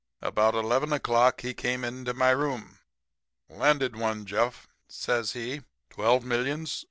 About 11 o'clock he came into my room. "'Landed one, Jeff,' says he. 'Twelve millions.